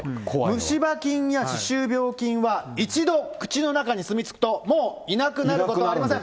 虫歯菌には歯周菌は一度、口の中に住み着くともういなくなることはありません。